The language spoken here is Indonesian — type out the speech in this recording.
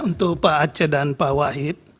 untuk pak aceh dan pak wahid